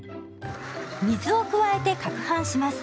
水を加えてかくはんします。